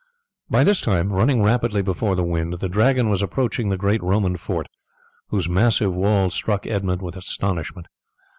By this time, running rapidly before the wind, the Dragon was approaching the great Roman fort, whose massive walls struck Edmund with astonishment.